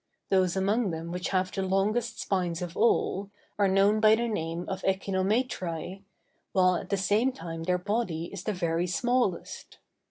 Those among them which have the longest spines of all, are known by the name of echinometræ, while at the same time their body is the very smallest.